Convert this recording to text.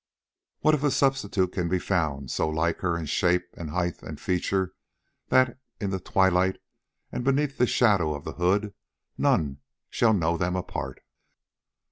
What if a substitute can be found so like to her in shape and height and feature that, in the twilight and beneath the shadow of the hood, none shall know them apart?"